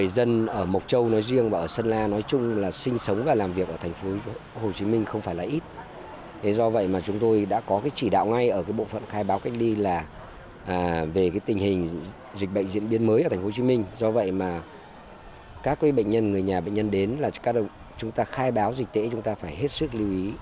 do vậy mà các bệnh nhân người nhà bệnh nhân đến là chúng ta khai báo dịch tễ chúng ta phải hết sức lưu ý